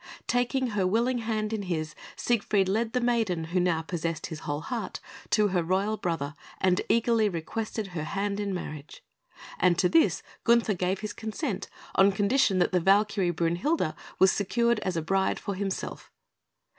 Taking her willing hand in his, Siegfried led the maiden, who now possessed his whole heart, to her royal brother, and eagerly requested her hand in marriage; and to this Gunther gave his consent on condition that the Valkyrie, Brünhilde, was secured as a bride for himself.